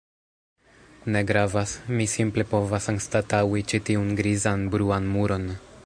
Ne gravas. Mi simple povas anstataŭi ĉi tiun grizan bruan muron.